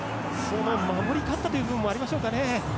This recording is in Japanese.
守り勝ったという部分もありましたかね。